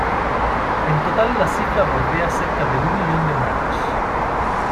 En total la cifra bordea cerca de un millón de muertos.